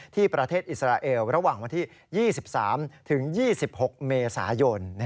ที่ประเทศอิสราเอลระหว่างวันที่๒๓ถึง๒๖เมษายน